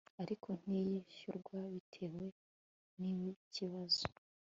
ariko ntiyishyurwa bitewe n ikibazo